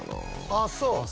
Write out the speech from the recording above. あっそう。